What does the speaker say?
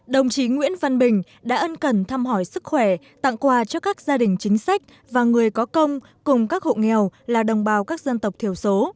đồng chí nguyễn văn bình đã ân cần thăm hỏi sức khỏe tặng quà cho các gia đình chính sách và người có công cùng các hộ nghèo là đồng bào các dân tộc thiểu số